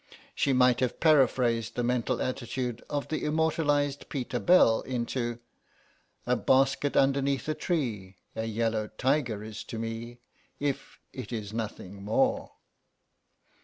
She might have paraphrased the mental attitude of the immortalised Peter Bell into A basket underneath a tree A yellow tiger is to me, If it is nothing more.